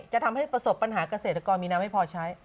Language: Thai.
จะทำให้ประสบปัญหาเกษตรกรมีน้ำให้พอใช้